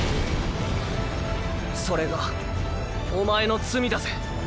それがお前の罪だぜ。